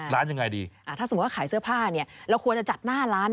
ร้านอาหาร